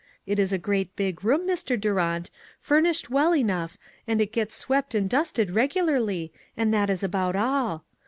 It is a great big room, Mr. Durant, furnished well enough, and it gets swept and dusted reg ularly, and that is about all.